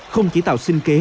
không chỉ tạo sinh kế